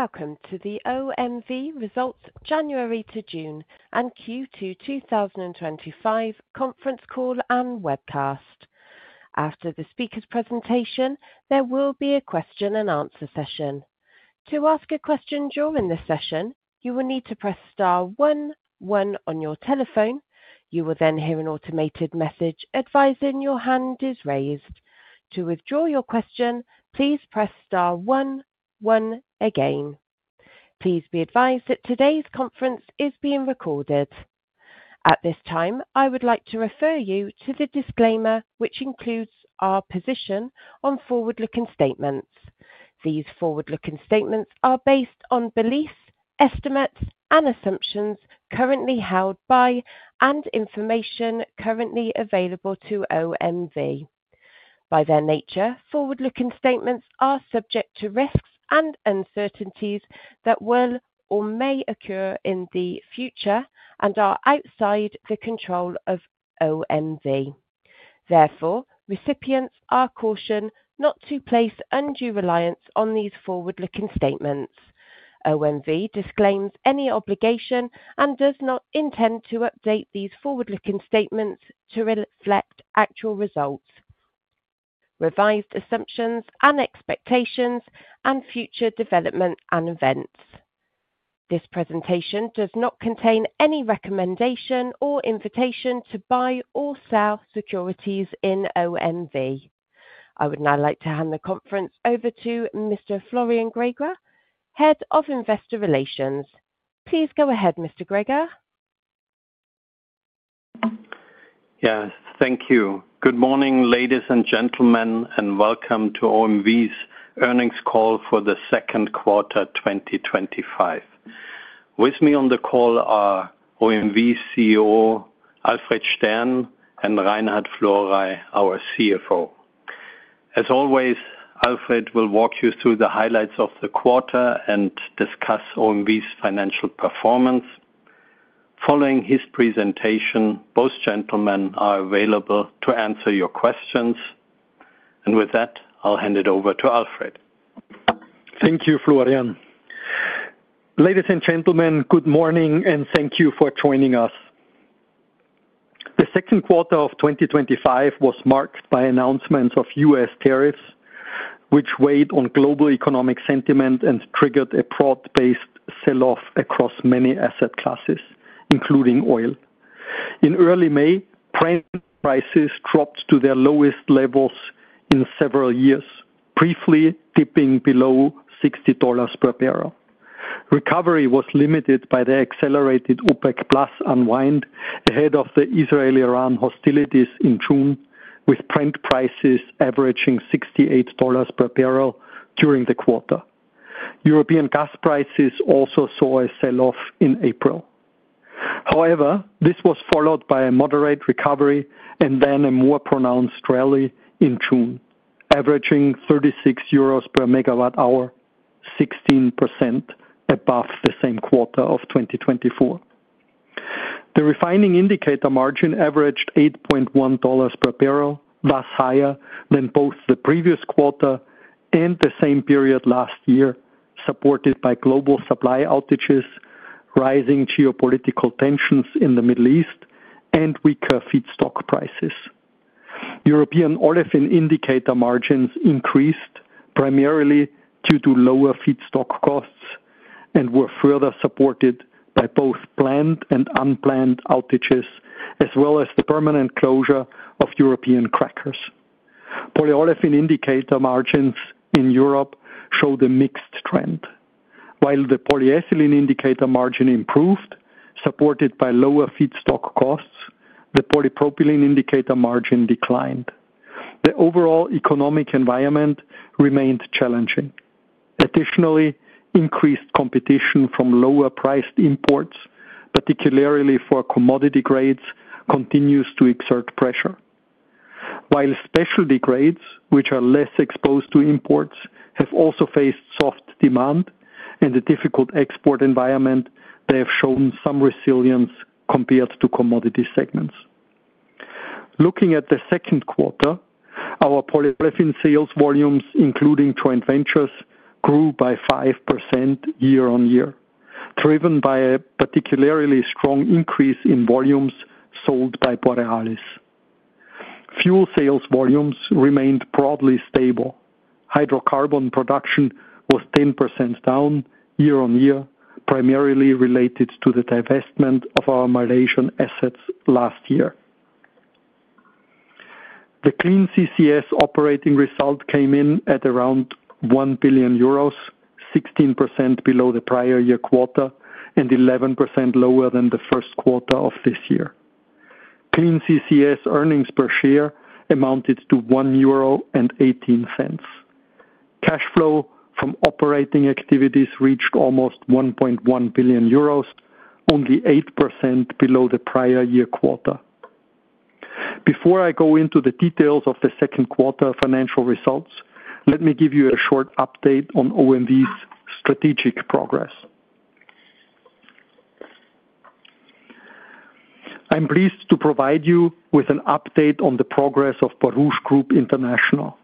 Welcome to the OMV Results January to June and Q2 2025 conference call and webcast. After the speaker's presentation, there will be a question-and-answer session. To ask a question during this session, you will need to press star one, one on your telephone. You will then hear an automated message advising your hand is raised. To withdraw your question, please press star one, one again. Please be advised that today's conference is being recorded. At this time, I would like to refer you to the disclaimer, which includes our position on forward-looking statements. These forward-looking statements are based on beliefs, estimates, and assumptions currently held by and information currently available to OMV. By their nature, forward-looking statements are subject to risks and uncertainties that will or may occur in the future and are outside the control of OMV. Therefore, recipients are cautioned not to place undue reliance on these forward-looking statements. OMV disclaims any obligation and does not intend to update these forward-looking statements to reflect actual results, revised assumptions and expectations, and future development and events. This presentation does not contain any recommendation or invitation to buy or sell securities in OMV. I would now like to hand the conference over to Mr. Florian Greger, Head of Investor Relations. Please go ahead, Mr. Greger. Yes, thank you. Good morning, ladies and gentlemen, and welcome to OMV's earnings call for the second quarter 2025. With me on the call are OMV CEO Alfred Stern and Reinhard Florey, our CFO. As always, Alfred will walk you through the highlights of the quarter and discuss OMV's financial performance. Following his presentation, both gentlemen are available to answer your questions. With that, I'll hand it over to Alfred. Thank you, Florian. Ladies and gentlemen, good morning, and thank you for joining us. The second quarter of 2025 was marked by announcements of U.S. tariffs, which weighed on global economic sentiment and triggered a broad-based sell-off across many asset classes, including oil. In early May, Brent prices dropped to their lowest levels in several years, briefly dipping below $60 per bbl. Recovery was limited by the accelerated OPEC+ unwind ahead of the Israel-Iran hostilities in June, with Brent prices averaging $68 per bbl during the quarter. European gas prices also saw a sell-off in April. However, this was followed by a moderate recovery and then a more pronounced rally in June, averaging 36 euros per MWh, 16% above the same quarter of 2024. The refining indicator margin averaged $8.1 per bbl, thus higher than both the previous quarter and the same period last year, supported by global supply outages, rising geopolitical tensions in the Middle East, and weaker feedstock prices. European olefin indicator margins increased primarily due to lower feedstock costs and were further supported by both planned and unplanned outages, as well as the permanent closure of European crackers. Polyolefin indicator margins in Europe showed a mixed trend. While the polyethylene indicator margin improved, supported by lower feedstock costs, the polypropylene indicator margin declined. The overall economic environment remained challenging. Additionally, increased competition from lower-priced imports, particularly for commodity grades, continues to exert pressure. While specialty grades, which are less exposed to imports, have also faced soft demand and a difficult export environment, they have shown some resilience compared to commodity segments. Looking at the second quarter, our polyolefin sales volumes, including joint ventures, grew by 5% year on year, driven by a particularly strong increase in volumes sold by Borealis. Fuel sales volumes remained broadly stable. Hydrocarbon production was 10% down year on year, primarily related to the divestment of our Malaysian assets last year. The Clean CCS operating result came in at around 1 billion euros, 16% below the prior year quarter and 11% lower than the first quarter of this year. Clean CCS earnings per share amounted to 1.18 euro. Cash flow from operating activities reached almost 1.1 billion euros, only 8% below the prior year quarter. Before I go into the details of the second quarter financial results, let me give you a short update on OMV's strategic progress. I'm pleased to provide you with an update on the progress of Borouge Group International.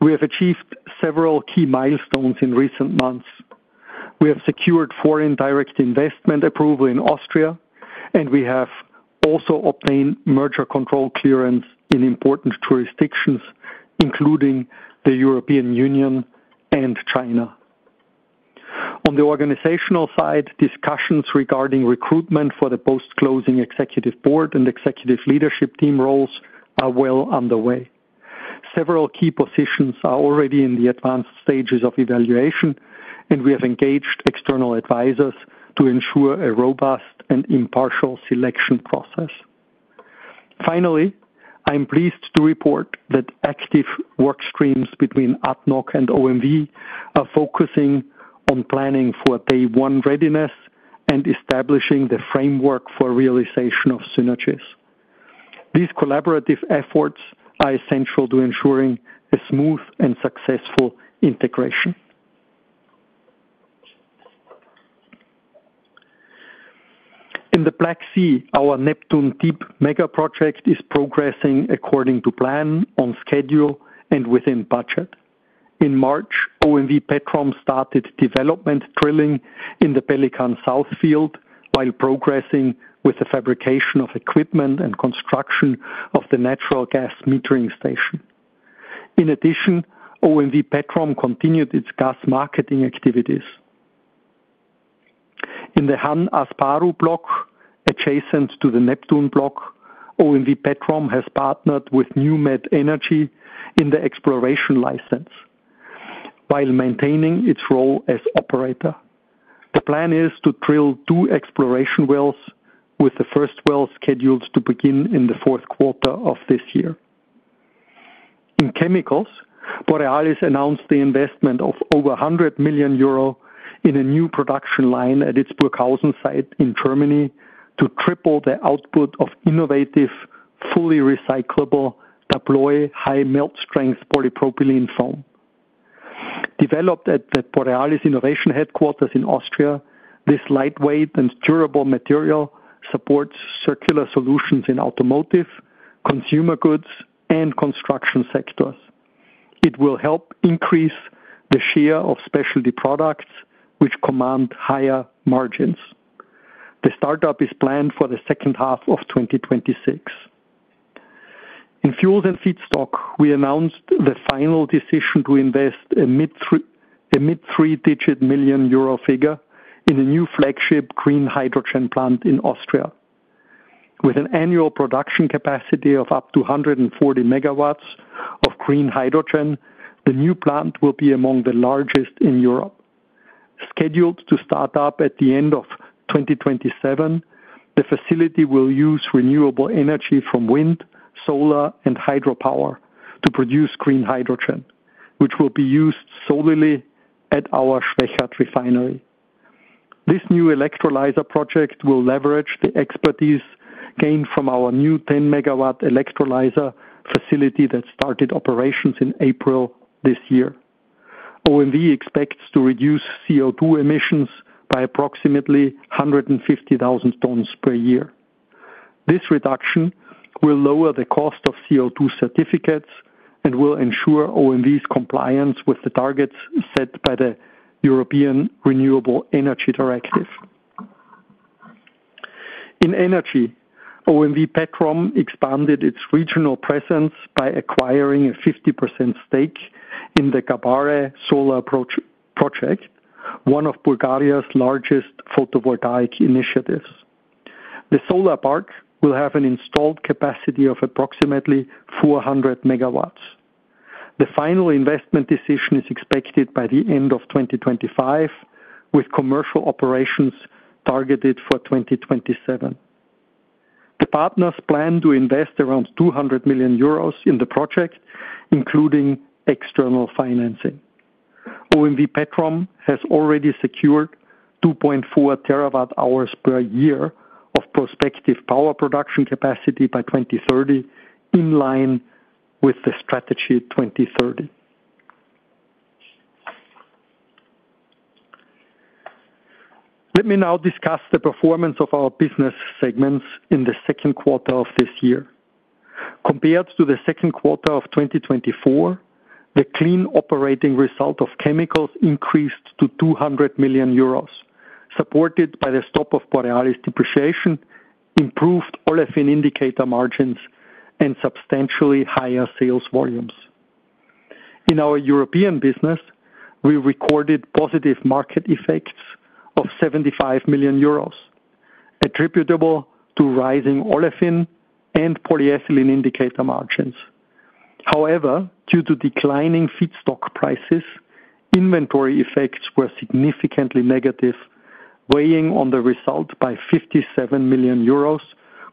We have achieved several key milestones in recent months. We have secured foreign direct investment approval in Austria, and we have also obtained merger control clearance in important jurisdictions, including the European Union and China. On the organizational side, discussions regarding recruitment for the post-closing Executive Board and Executive Leadership Team roles are well underway. Several key positions are already in the advanced stages of evaluation, and we have engaged external advisors to ensure a robust and impartial selection process. Finally, I'm pleased to report that active work streams between ADNOC and OMV are focusing on planning for day-one readiness and establishing the framework for realization of synergies. These collaborative efforts are essential to ensuring a smooth and successful integration. In the Black Sea, our Neptun Deep mega project is progressing according to plan, on schedule, and within budget. In March, OMV Petrom started development drilling in the Pelican South field while progressing with the fabrication of equipment and construction of the natural gas metering station. In addition, OMV Petrom continued its gas marketing activities. In the Han-Asparuh block adjacent to the Neptun block, OMV Petrom has partnered with NewMed Energy in the exploration license. While maintaining its role as operator, the plan is to drill two exploration wells, with the first well scheduled to begin in the fourth quarter of this year. In chemicals, Borealis announced the investment of over 100 million euro in a new production line at its Burghausen site in Germany to triple the output of innovative, fully recyclable Daploy high-melt-strength polypropylene foam. Developed at the Borealis Innovation Headquarters in Austria, this lightweight and durable material supports circular solutions in automotive, consumer goods, and construction sectors. It will help increase the share of specialty products, which command higher margins. The startup is planned for the second half of 2026. In fuels and feedstock, we announced the final decision to invest a mid-three-digit million euro figure in a new flagship green hydrogen plant in Austria. With an annual production capacity of up to 140 MW of green hydrogen, the new plant will be among the largest in Europe. Scheduled to start up at the end of 2027, the facility will use renewable energy from wind, solar, and hydropower to produce green hydrogen, which will be used solely at our Schwechat refinery. This new electrolyzer project will leverage the expertise gained from our new 10-megawatt electrolyzer facility that started operations in April this year. OMV expects to reduce CO2 emissions by approximately 150,000 tons per year. This reduction will lower the cost of CO2 certificates and will ensure OMV's compliance with the targets set by the European Renewable Energy Directive. In energy, OMV Petrom expanded its regional presence by acquiring a 50% stake in the Gabare Solar Project, one of Bulgaria's largest photovoltaic initiatives. The solar park will have an installed capacity of approximately 400 MW. The final investment decision is expected by the end of 2025, with commercial operations targeted for 2027. The partners plan to invest around 200 million euros in the project, including external financing. OMV Petrom has already secured 2.4 TWh per year of prospective power production capacity by 2030, in line with the Strategy 2030. Let me now discuss the performance of our business segments in the second quarter of this year. Compared to the second quarter of 2024, the clean operating result of chemicals increased to 200 million euros, supported by the stop of Borealis depreciation, improved olefin indicator margins, and substantially higher sales volumes. In our European business, we recorded positive market effects of 75 million euros, attributable to rising olefin and polyethylene indicator margins. However, due to declining feedstock prices, inventory effects were significantly negative, weighing on the result by 57 million euros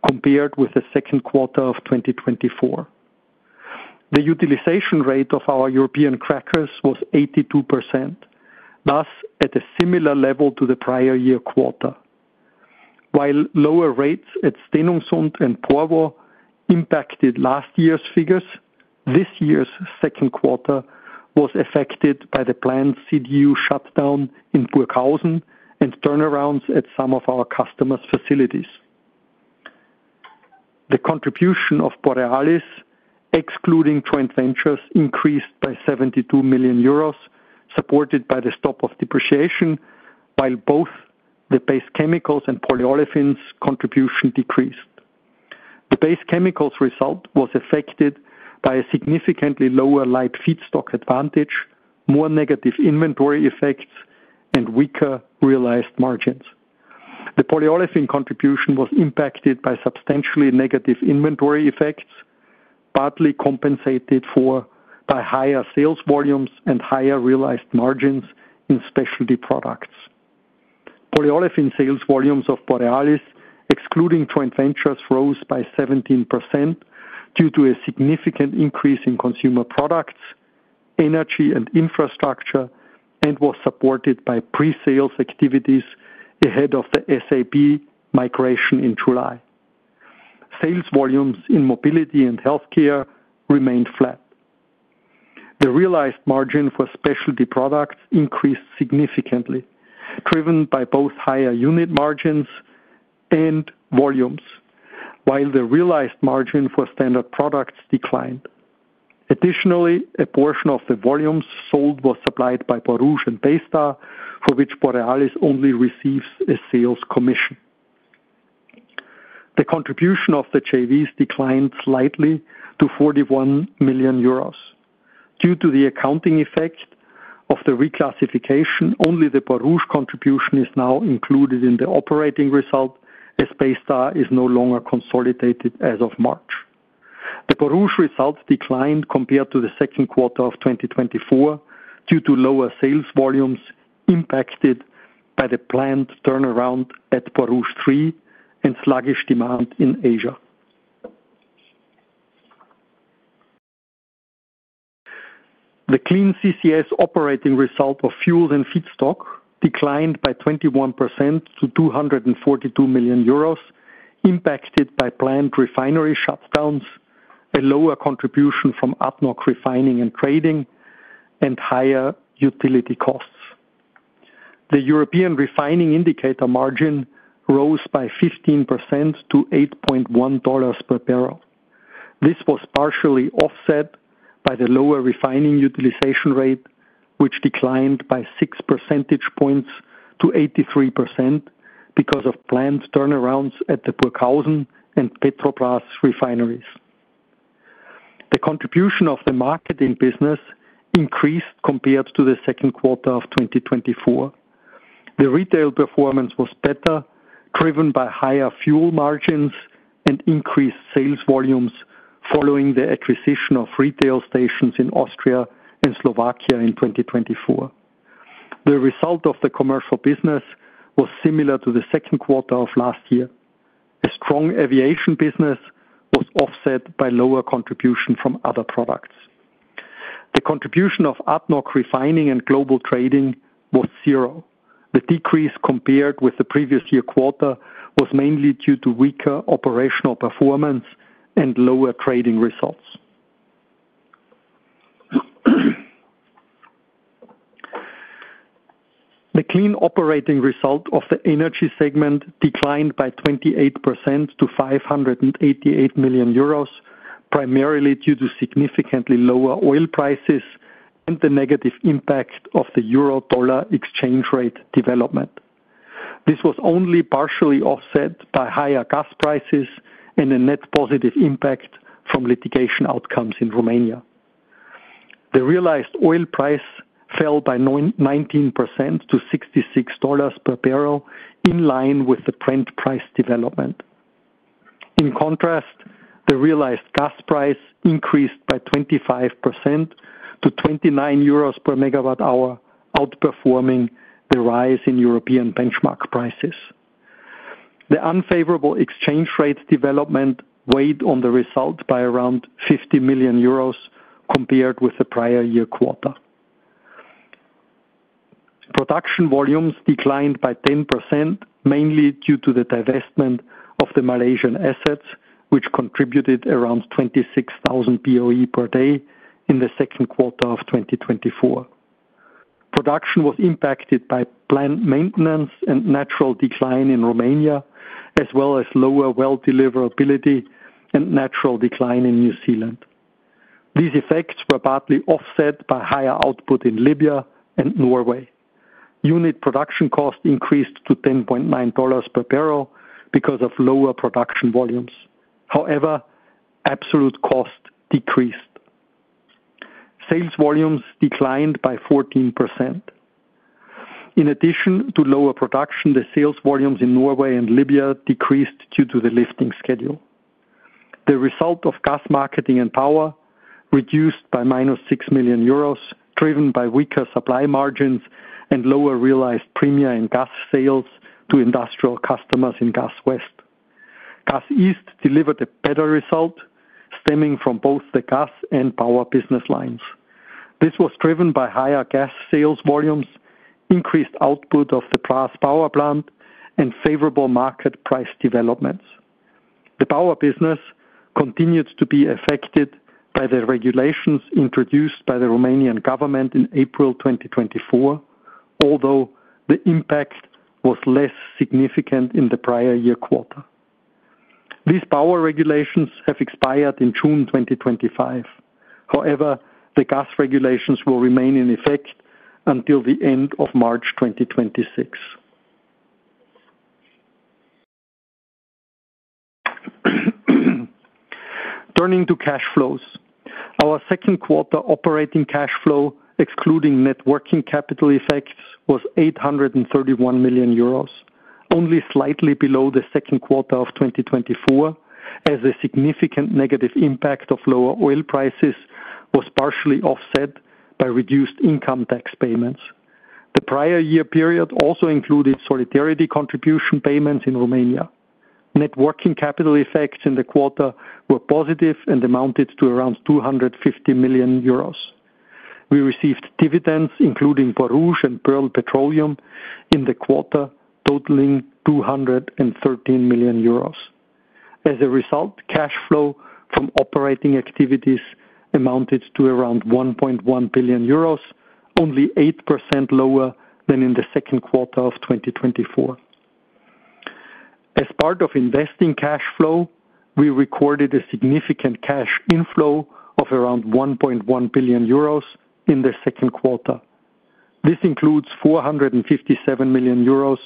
compared with the second quarter of 2024. The utilization rate of our European crackers was 82%, thus at a similar level to the prior year quarter. While lower rates at Stenungsund and Porvoo impacted last year's figures, this year's second quarter was affected by the planned CDU shutdown in Burghausen and turnarounds at some of our customers' facilities. The contribution of Borealis, excluding joint ventures, increased by 72 million euros, supported by the stop of depreciation, while both the base chemicals and polyolefins' contribution decreased. The base chemicals result was affected by a significantly lower light feedstock advantage, more negative inventory effects, and weaker realized margins. The polyolefin contribution was impacted by substantially negative inventory effects, partly compensated by higher sales volumes and higher realized margins in specialty products. Polyolefin sales volumes of Borealis, excluding joint ventures, rose by 17% due to a significant increase in consumer products, energy, and infrastructure, and were supported by pre-sales activities ahead of the SAB migration in July. Sales volumes in mobility and healthcare remained flat. The realized margin for specialty products increased significantly, driven by both higher unit margins and volumes, while the realized margin for standard products declined. Additionally, a portion of the volumes sold was supplied by Borouge and Baystar, for which Borealis only receives a sales commission. The contribution of the JVs declined slightly to 41 million euros. Due to the accounting effect of the reclassification, only the Borouge contribution is now included in the operating result, as Baystar is no longer consolidated as of March. The Borouge results declined compared to the second quarter of 2024 due to lower sales volumes impacted by the planned turnaround at Borouge 3 and sluggish demand in Asia. The Clean CCS operating result of fuels and feedstock declined by 21% to 242 million euros, impacted by planned refinery shutdowns, a lower contribution from ADNOC Refining and Trading, and higher utility costs. The European refining indicator margin rose by 15% to $8.1 per bbl. This was partially offset by the lower refining utilization rate, which declined by 6 percentage points to 83% because of planned turnarounds at the Burghausen and Petrobrazi refineries. The contribution of the marketing business increased compared to the second quarter of 2024. The retail performance was better, driven by higher fuel margins and increased sales volumes following the acquisition of retail stations in Austria and Slovakia in 2024. The result of the commercial business was similar to the second quarter of last year. A strong aviation business was offset by lower contribution from other products. The contribution of ADNOC Refining and Trading was zero. The decrease compared with the previous year quarter was mainly due to weaker operational performance and lower trading results. The Clean CCS operating result of the energy segment declined by 28% to 588 million euros, primarily due to significantly lower oil prices and the negative impact of the euro/dollar exchange rate development. This was only partially offset by higher gas prices and a net positive impact from litigation outcomes in Romania. The realized oil price fell by 19% to $66 per bbl, in line with the trend price development. In contrast, the realized gas price increased by 25% to 29 euros per MWh, outperforming the rise in European benchmark prices. The unfavorable exchange rate development weighed on the result by around 50 million euros compared with the prior year quarter. Production volumes declined by 10%, mainly due to the divestment of the Malaysian assets, which contributed around 26,000 BOE per day in the second quarter of 2024. Production was impacted by plant maintenance and natural decline in Romania, as well as lower well deliverability and natural decline in New Zealand. These effects were partly offset by higher output in Libya and Norway. Unit production cost increased to $10.9 per bbl because of lower production volumes. However, absolute cost decreased. Sales volumes declined by 14%. In addition to lower production, the sales volumes in Norway and Libya decreased due to the lifting schedule. The result of gas marketing and power reduced by 6 million euros, driven by weaker supply margins and lower realized premia in gas sales to industrial customers in Gas West. Gas East delivered a better result, stemming from both the gas and power business lines. This was driven by higher gas sales volumes, increased output of the Prague power plant, and favorable market price developments. The power business continued to be affected by the regulations introduced by the Romanian government in April 2024, although the impact was less significant in the prior year quarter. These power regulations have expired in June 2025. However, the gas regulations will remain in effect until the end of March 2026. Turning to cash flows, our second quarter operating cash flow, excluding net working capital effects, was 831 million euros, only slightly below the second quarter of 2024, as a significant negative impact of lower oil prices was partially offset by reduced income tax payments. The prior year period also included solidarity contribution payments in Romania. Net working capital effects in the quarter were positive and amounted to around 250 million euros. We received dividends, including Borouge and Pearl Petroleum, in the quarter, totaling 213 million euros. As a result, cash flow from operating activities amounted to around 1.1 billion euros, only 8% lower than in the second quarter of 2024. As part of investing cash flow, we recorded a significant cash inflow of around 1.1 billion euros in the second quarter. This includes 457 million euros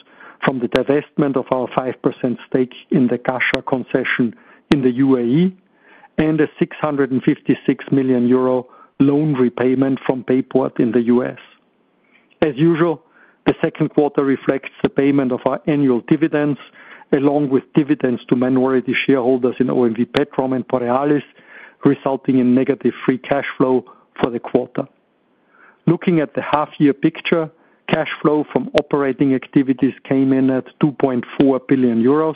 from the divestment of our 5% stake in the Ghasha concession in the UAE and a 656 million euro loan repayment from Bayport in the U.S. As usual, the second quarter reflects the payment of our annual dividends, along with dividends to minority shareholders in OMV Petrom and Borealis, resulting in negative free cash flow for the quarter. Looking at the half-year picture, cash flow from operating activities came in at 2.4 billion euros,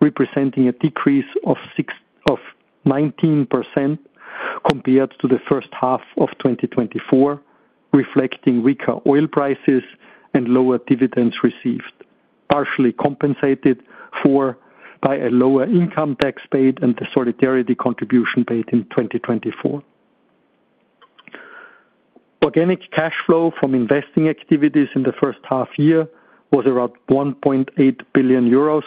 representing a decrease of 19% compared to the first half of 2024, reflecting weaker oil prices and lower dividends received, partially compensated by a lower income tax paid and the solidarity contribution paid in 2024. Organic cash flow from investing activities in the first half year was around 1.8 billion euros,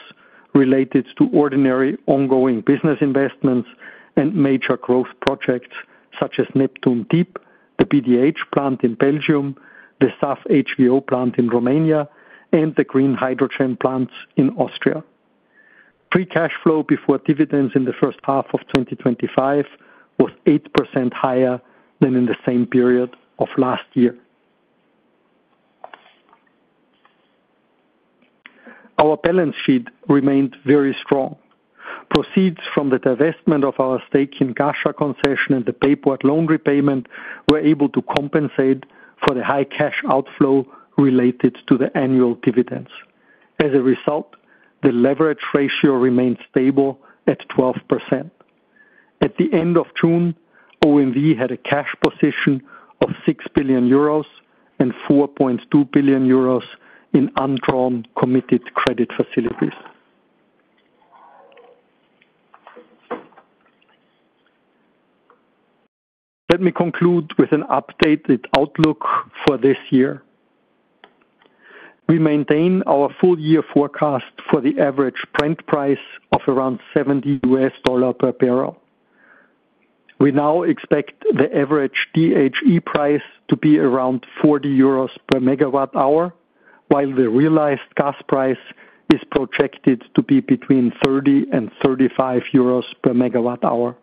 related to ordinary ongoing business investments and major growth projects such as Neptun Deep, the BDH plant in Belgium, the SAF HVO plant in Romania, and the green hydrogen plants in Austria. Pre-cash flow before dividends in the first half of 2025 was 8% higher than in the same period of last year. Our balance sheet remained very strong. Proceeds from the divestment of our stake in Ghasha concession and the Bayport loan repayment were able to compensate for the high cash outflow related to the annual dividends. As a result, the leverage ratio remained stable at 12%. At the end of June, OMV had a cash position of 6 billion euros and 4.2 billion euros in undrawn committed credit facilities. Let me conclude with an updated outlook for this year. We maintain our full year forecast for the average Brent price of around $70 per bbl. We now expect the average TTF price to be around 40 euros per MWh, while the realized gas price is projected to be between 30 and 35 euros per MWh.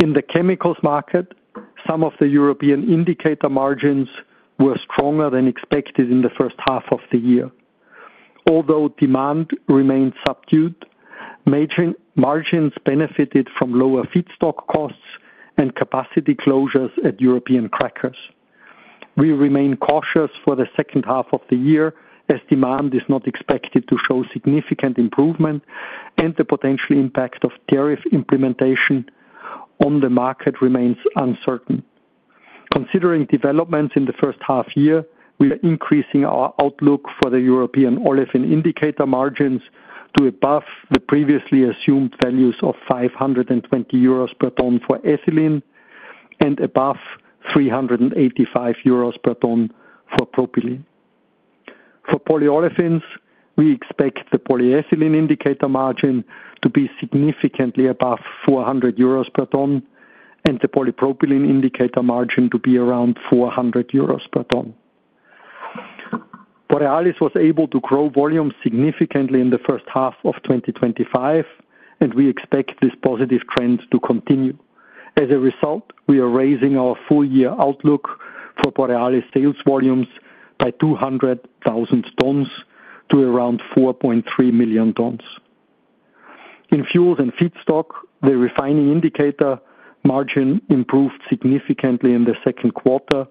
In the chemicals market, some of the European indicator margins were stronger than expected in the first half of the year. Although demand remained subdued, major margins benefited from lower feedstock costs and capacity closures at European crackers. We remain cautious for the second half of the year, as demand is not expected to show significant improvement, and the potential impact of tariff implementation on the market remains uncertain. Considering developments in the first half year, we are increasing our outlook for the European olefin indicator margins to above the previously assumed values of 520 euros per tonne for ethylene and above 385 euros per tonne for propylene. For polyolefins, we expect the polyethylene indicator margin to be significantly above 400 euros per tonne and the polypropylene indicator margin to be around 400 euros per tonne. Borealis was able to grow volumes significantly in the first half of 2025, and we expect this positive trend to continue. As a result, we are raising our full year outlook for Borealis sales volumes by 200,000 tonnes to around 4.3 million tonnes. In fuels and feedstock, the refining indicator margin improved significantly in the second quarter,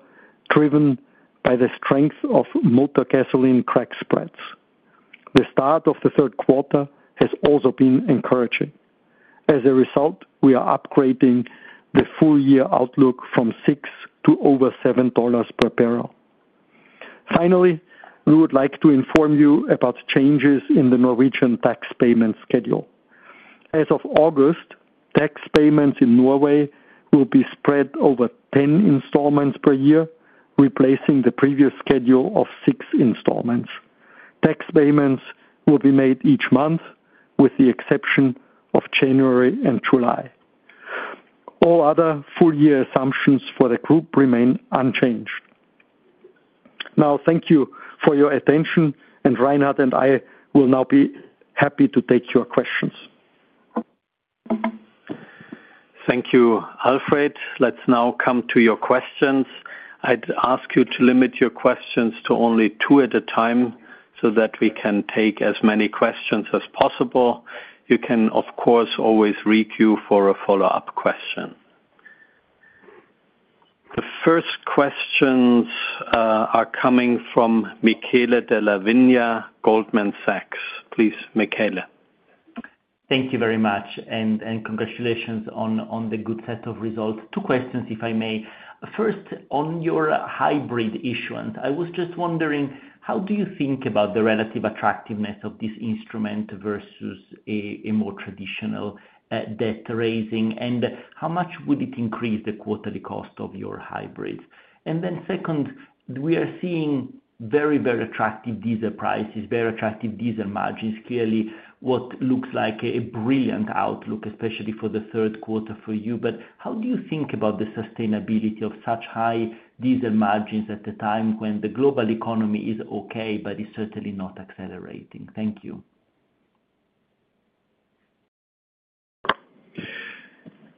driven by the strength of motor gasoline crack spreads. The start of the third quarter has also been encouraging. As a result, we are upgrading the full year outlook from $6 to over $7 per bbl. Finally, we would like to inform you about changes in the Norwegian tax payment schedule. As of August, tax payments in Norway will be spread over 10 installments per year, replacing the previous schedule of 6 installments. Tax payments will be made each month, with the exception of January and July. All other full year assumptions for the group remain unchanged. Now, thank you for your attention, and Reinhard and I will now be happy to take your questions. Thank you, Alfred. Let's now come to your questions. I'd ask you to limit your questions to only two at a time so that we can take as many questions as possible. You can, of course, always re-queue for a follow-up question. The first questions are coming from Michaela Della Vigna, Goldman Sachs. Please, Michelle. Thank you very much, and congratulations on the good set of results. Two questions, if I may. First, on your hybrid issuance, I was just wondering, how do you think about the relative attractiveness of this instrument versus a more traditional debt raising, and how much would it increase the quarterly cost of your hybrids? And then second, we are seeing very, very attractive diesel prices, very attractive diesel margins, clearly what looks like a brilliant outlook, especially for the third quarter for you. How do you think about the sustainability of such high diesel margins at a time when the global economy is okay but is certainly not accelerating? Thank you.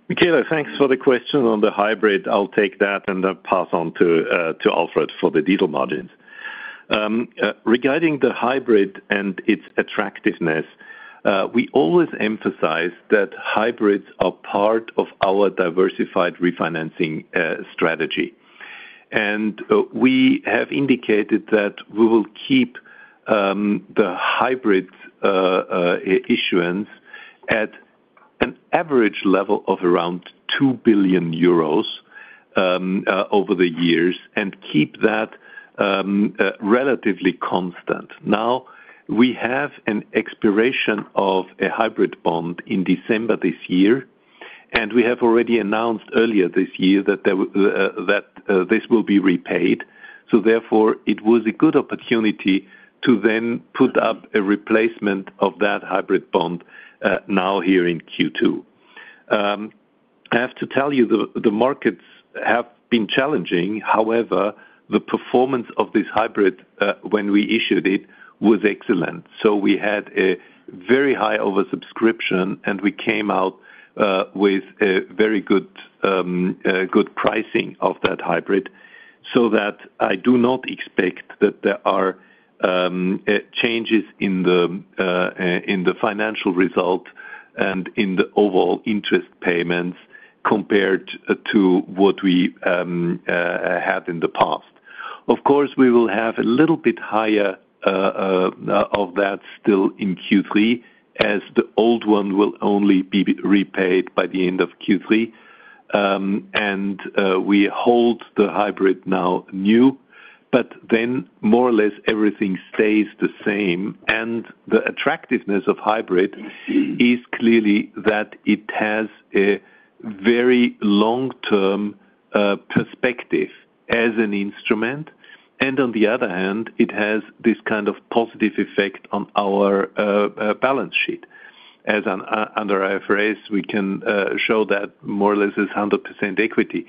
Michelle, thanks for the question on the hybrid. I'll take that and pass on to Alfred for the diesel margins. Regarding the hybrid and its attractiveness, we always emphasize that hybrids are part of our diversified refinancing strategy. We have indicated that we will keep the hybrid issuance at an average level of around 2 billion euros over the years and keep that relatively constant. We have an expiration of a hybrid bond in December this year, and we have already announced earlier this year that this will be repaid. Therefore, it was a good opportunity to then put up a replacement of that hybrid bond now here in Q2. I have to tell you, the markets have been challenging. However, the performance of this hybrid when we issued it was excellent. We had a very high oversubscription, and we came out with a very good pricing of that hybrid. I do not expect that there are changes in the financial result and in the overall interest payments compared to what we had in the past. Of course, we will have a little bit higher of that still in Q3, as the old one will only be repaid by the end of Q3, and we hold the hybrid now new, but then more or less everything stays the same. The attractiveness of hybrid is clearly that it has a very long-term perspective as an instrument. On the other hand, it has this kind of positive effect on our balance sheet, as under IFRS, we can show that more or less as 100% equity.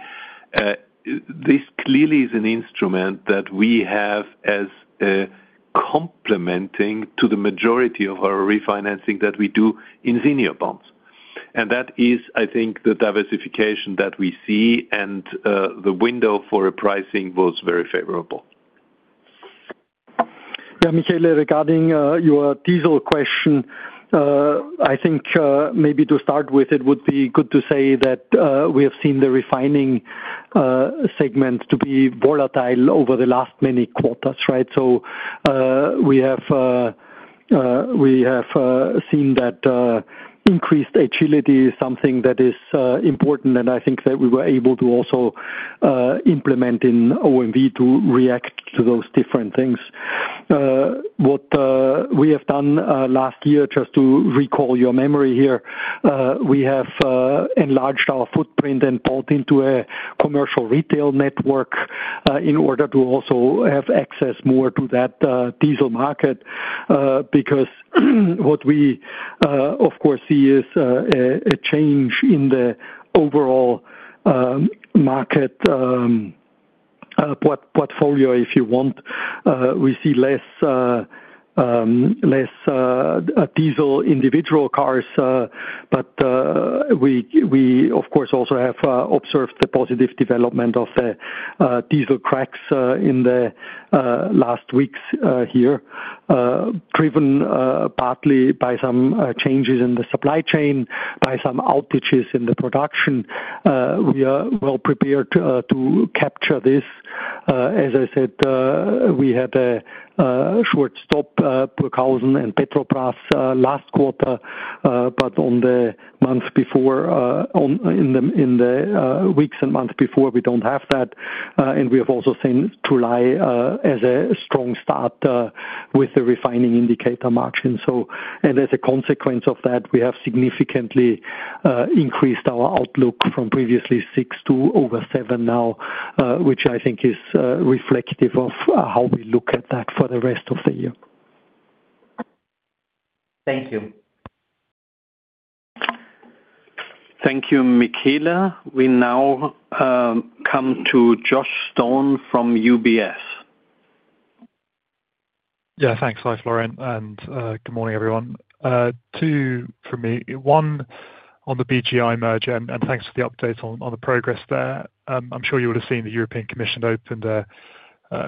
This clearly is an instrument that we have as complementing to the majority of our refinancing that we do in senior bonds. That is, I think, the diversification that we see, and the window for pricing was very favorable. Yeah, Michelle, regarding your diesel question. I think maybe to start with, it would be good to say that we have seen the refining segment to be volatile over the last many quarters, right? We have seen that increased agility is something that is important, and I think that we were able to also implement in OMV to react to those different things. What we have done last year, just to recall your memory here, we have enlarged our footprint and bought into a commercial retail network in order to also have access more to that diesel market. What we, of course, see is a change in the overall market portfolio, if you want. We see less diesel individual cars, but we, of course, also have observed the positive development of the diesel cracks in the last weeks here, driven partly by some changes in the supply chain, by some outages in the production. We are well prepared to capture this. As I said, we had a short stop, Burghausen and Petrobrazi last quarter, but in the weeks and months before, we don't have that. We have also seen July as a strong start with the refining indicator margin. As a consequence of that, we have significantly increased our outlook from previously six to over seven now, which I think is reflective of how we look at that for the rest of the year. Thank you. Thank you, Michelle. We now come to Josh Stone from UBS. Yeah, thanks, Lifelore, and good morning, everyone. Two for me. One, on the BGI merger, and thanks for the update on the progress there. I'm sure you would have seen the European Commission opened an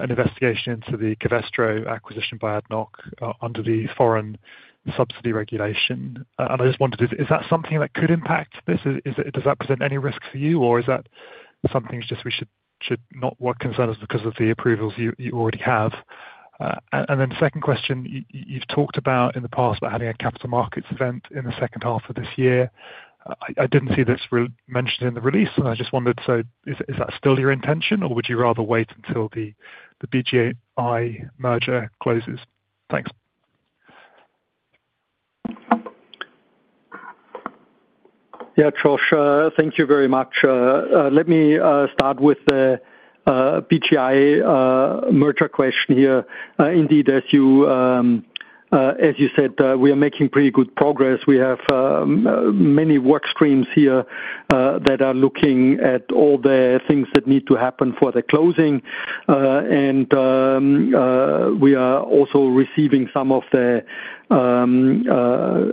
investigation into the Covestro acquisition by ADNOC under the foreign subsidy regulation. I just wondered, is that something that could impact this? Does that present any risk for you, or is that something just we should not worry about because of the approvals you already have? Second question, you've talked about in the past about having a capital markets event in the second half of this year. I didn't see this mentioned in the release, and I just wondered, is that still your intention, or would you rather wait until the BGI merger closes? Thanks. Yeah, Josh, thank you very much. Let me start with the BGI merger question here. Indeed, as you said, we are making pretty good progress. We have many workstreams here that are looking at all the things that need to happen for the closing. We are also receiving some of the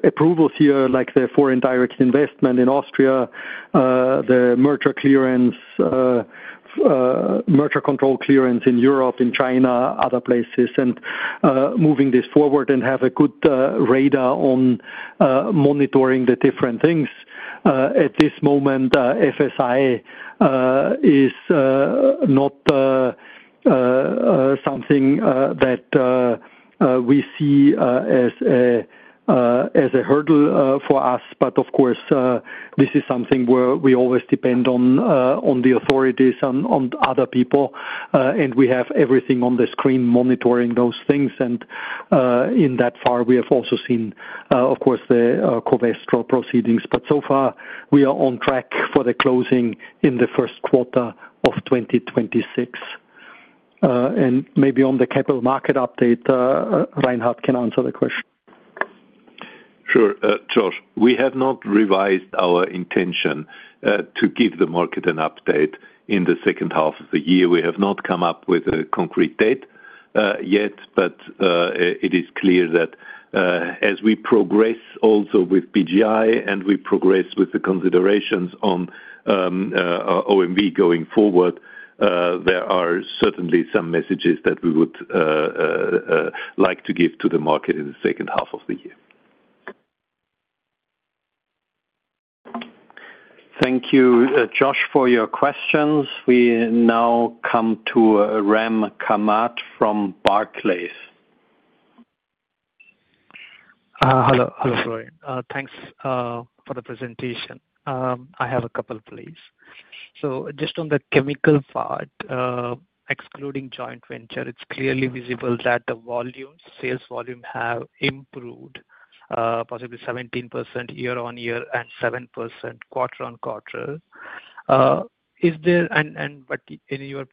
approvals here, like the foreign direct investment in Austria, the merger control clearance in Europe, in China, other places, and moving this forward and have a good radar on monitoring the different things. At this moment, FSI is not something that we see as a hurdle for us. Of course, this is something where we always depend on the authorities and on other people, and we have everything on the screen monitoring those things. In that far, we have also seen, of course, the Covestro proceedings, but so far, we are on track for the closing in the first quarter of 2026. Maybe on the capital market update, Reinhard can answer the question. Sure. Josh, we have not revised our intention to give the market an update in the second half of the year. We have not come up with a concrete date yet, but it is clear that as we progress also with BGI and we progress with the considerations on OMV going forward, there are certainly some messages that we would like to give to the market in the second half of the year. Thank you, Josh, for your questions. We now come to Ram Kamath from Barclays. Hello, Florian. Thanks for the presentation. I have a couple of places. Just on the chemical part, excluding joint venture, it's clearly visible that the volumes, sales volume, have improved, possibly 17% year-on-year and 7% quarter-on-quarter. In your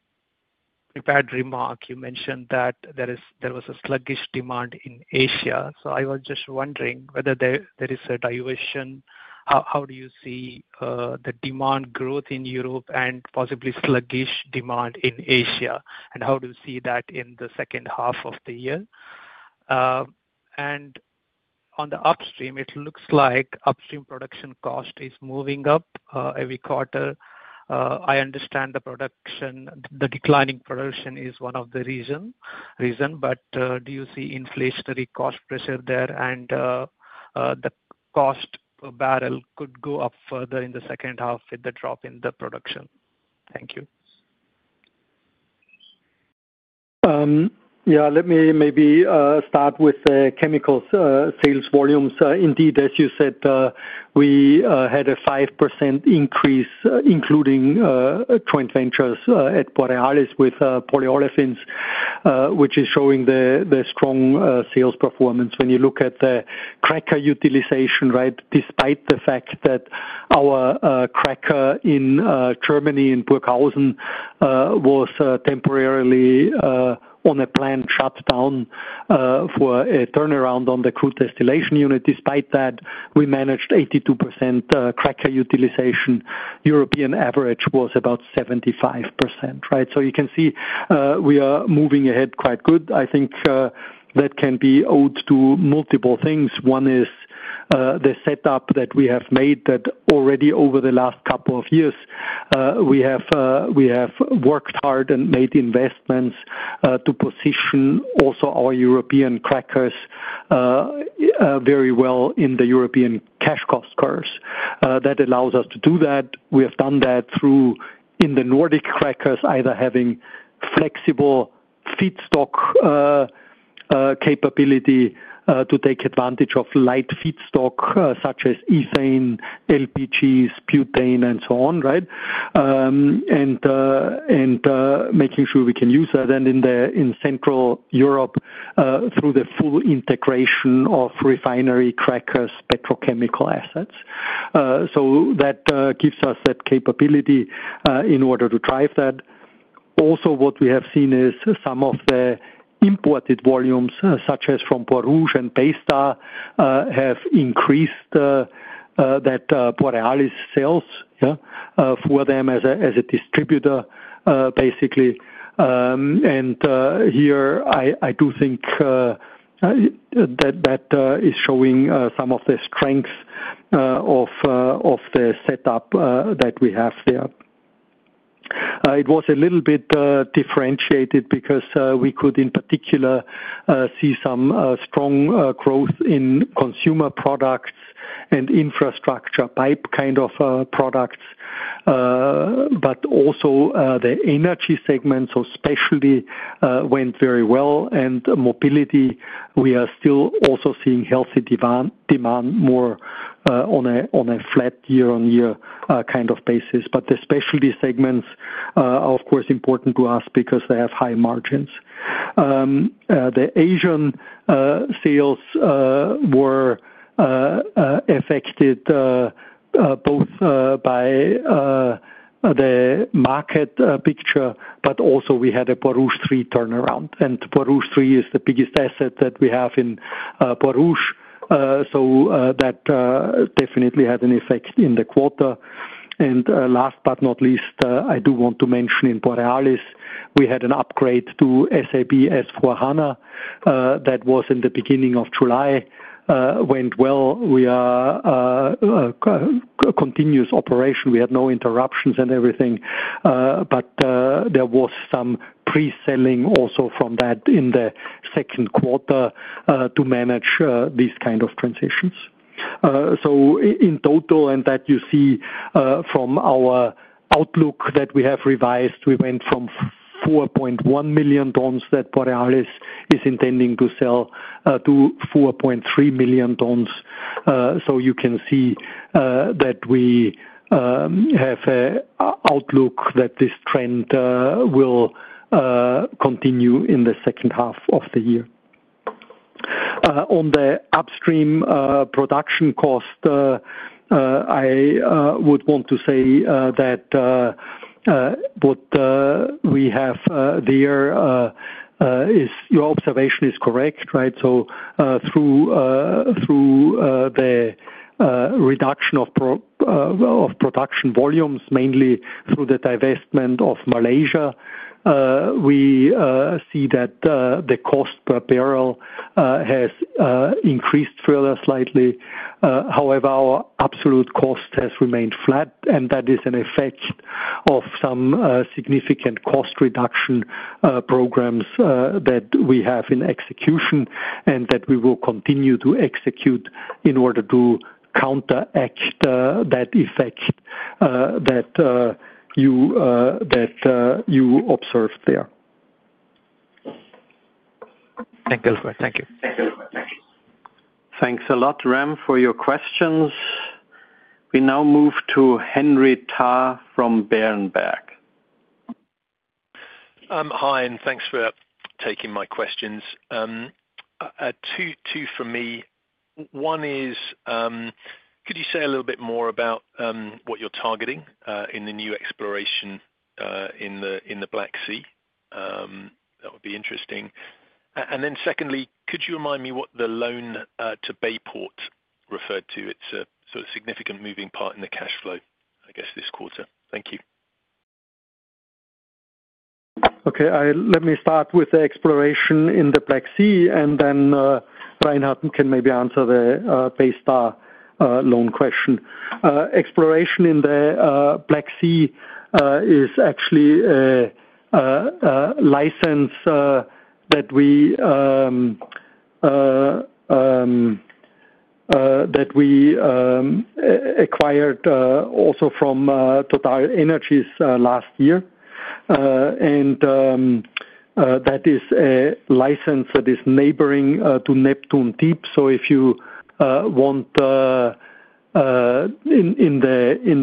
prepared remark, you mentioned that there was a sluggish demand in Asia. I was just wondering whether there is a dilution. How do you see the demand growth in Europe and possibly sluggish demand in Asia, and how do you see that in the second half of the year? On the upstream, it looks like upstream production cost is moving up every quarter. I understand the declining production is one of the reasons. Do you see inflationary cost pressure there? The cost barrel could go up further in the second half with the drop in the production? Thank you. Let me maybe start with the chemicals sales volumes. Indeed, as you said, we had a 5% increase, including joint ventures at Borealis with polyolefins, which is showing the strong sales performance. When you look at the cracker utilization, right, despite the fact that our cracker in Germany in Burghausen was temporarily on a planned shutdown for a turnaround on the crude distillation unit, despite that, we managed 82% cracker utilization. European average was about 75%, right? You can see we are moving ahead quite good. I think that can be owed to multiple things. One is the setup that we have made that already over the last couple of years, we have worked hard and made investments to position also our European crackers very well in the European cash cost curves. That allows us to do that. We have done that through, in the Nordic crackers, either having flexible feedstock capability to take advantage of light feedstock such as ethane, LPGs, butane, and so on, and making sure we can use that in Central Europe through the full integration of refinery crackers, petrochemical assets. That gives us that capability in order to drive that. Also, what we have seen is some of the imported volumes, such as from Borouge and Baystar, have increased. That is Borealis sales for them as a distributor, basically. Here, I do think that is showing some of the strengths of the setup that we have there. It was a little bit differentiated because we could, in particular, see some strong growth in consumer products and infrastructure pipe kind of products. Also, the energy segment especially went very well. Mobility, we are still also seeing healthy demand more on a flat year-on-year kind of basis. The specialty segments are, of course, important to us because they have high margins. The Asian sales were affected both by the market picture, but also we had a Borouge 3 turnaround. Borouge 3 is the biggest asset that we have in Borouge, so that definitely had an effect in the quarter. Last but not least, I do want to mention in Borealis, we had an upgrade to SAP S/4HANA that was in the beginning of July. Went well. We continued operation. We had no interruptions and everything, but there was some pre-selling also from that in the second quarter to manage these kind of transitions. In total, and that you see from our outlook that we have revised, we went from 4.1 million tons that Borealis is intending to sell to 4.3 million tons. You can see that we have an outlook that this trend will continue in the second half of the year. On the upstream production cost, I would want to say that your observation is correct, right? Through the reduction of production volumes, mainly through the divestment of Malaysia, we see that the cost per bbl has increased further slightly. However, our absolute cost has remained flat, and that is an effect of some significant cost reduction programs that we have in execution and that we will continue to execute in order to counteract that effect that you observed there. Thanks Alfred. Thank you. Thanks a lot, Ram, for your questions. We now move to Henry Tarr from Berenberg. Hi, and thanks for taking my questions. Two for me. One is, could you say a little bit more about what you're targeting in the new exploration in the Black Sea? That would be interesting. Secondly, could you remind me what the loan to Bayport referred to? It's a sort of significant moving part in the cash flow, I guess, this quarter. Thank you. Okay. Let me start with the exploration in the Black Sea, and then Reinhard can maybe answer the Paystar loan question. Exploration in the Black Sea is actually a license that we acquired also from TotalEnergies last year. That is a license that is neighboring to Neptun Deep. If you want, in